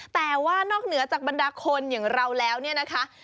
แต่ว่านอกเหนือจากบรรดาคนอย่างเราแล้วเนี่ยนะคะ